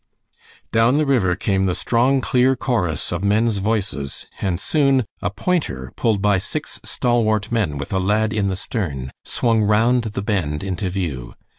Down the river came the strong, clear chorus of men's voices, and soon a "pointer" pulled by six stalwart men with a lad in the stern swung round the bend into view.